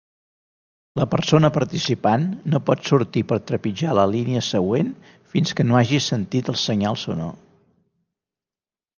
La persona participant no pot sortir per trepitjar la línia següent fins que no hagi sentit el senyal sonor.